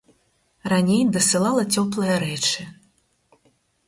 Раней дасылала цёплыя рэчы.